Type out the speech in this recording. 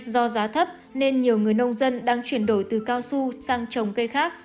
do giá thấp nên nhiều người nông dân đang chuyển đổi từ cao su sang trồng cây khác